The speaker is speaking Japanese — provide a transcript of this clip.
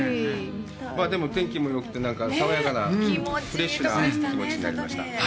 でも、天気もよくて、なんか爽やかなフレッシュな気持ちになりました。